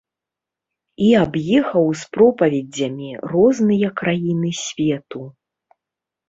І аб'ехаў з пропаведзямі розныя краіны свету.